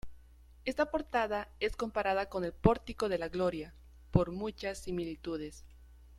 Esta portada es comparada con el Pórtico de la Gloria por sus muchas similitudes.